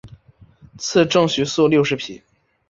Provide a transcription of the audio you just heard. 赐郑璩素六十匹。